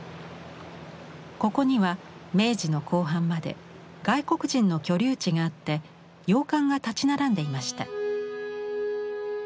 ここには明治の後半まで外国人の居留地があって洋館が建ち並んでいました。